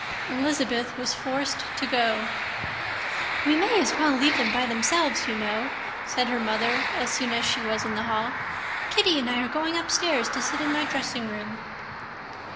Elizabeth was forced to go. "We may as well leave them by themselves, you know," said her mother as soon as she was in the hall. "Kitty and I are going upstairs to sit in my dressing room."